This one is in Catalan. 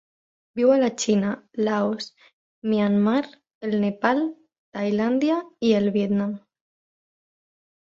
Viu a la Xina, Laos, Myanmar, el Nepal, Tailàndia i el Vietnam.